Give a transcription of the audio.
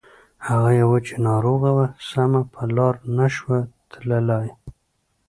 هغه يوه چې ناروغه وه سمه په لاره نه شوه تللای.